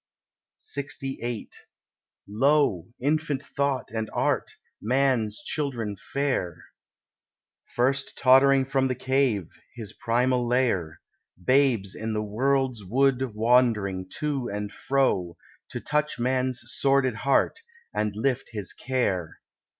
LXVIII Lo! infant Thought and Art, Man's children fair, First tottering from the cave, his primal lair; Babes in the world's wood wandering, to and fro, To touch man's sordid heart, and lift his care.